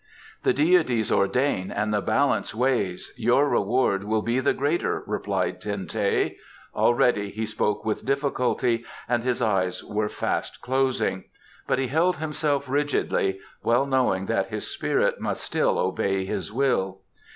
"The deities ordain and the balance weighs; your reward will be the greater," replied Ten teh. Already he spoke with difficulty, and his eyes were fast closing, but he held himself rigidly, well knowing that his spirit must still obey his will.